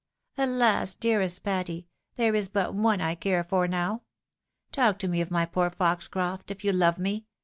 " Alas, dearest Patty ! there is but one I care for now. Talk to me of my poor Foxcroft, if you love me